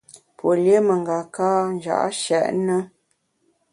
Pue lié mengaka nja’ nshèt ne.